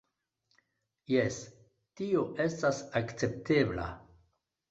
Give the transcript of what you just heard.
Jes, tio estas akceptebla